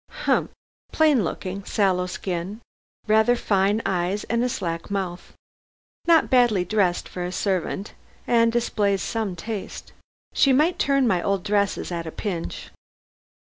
"Humph! Plain looking, sallow skin, rather fine eyes and a slack mouth. Not badly dressed for a servant, and displays some taste. She might turn my old dresses at a pinch.